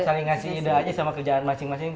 saling ngasih ide aja sama kerjaan masing masing